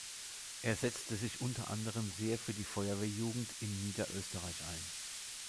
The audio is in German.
Er setzte sich unter anderem sehr für die Feuerwehrjugend in Niederösterreich ein.